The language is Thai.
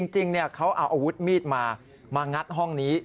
จริงเขาเอาอาวุธมีดมามางัดห้องนี้